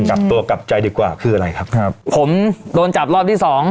กลับตัวกลับใจดีกว่าคืออะไรครับครับผมโดนจับรอบที่สอง